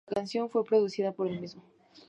La canción fue producida por el mismo.